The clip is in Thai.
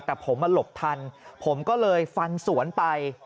แต่ผมมาหลบทันผมก็เลยฟันสวนไป